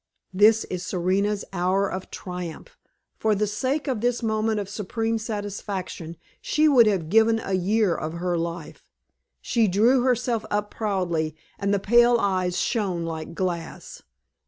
This is Serena's hour of triumph; for the sake of this moment of supreme satisfaction, she would have given a year of her life. She drew herself up proudly, and the pale eyes shone like glass.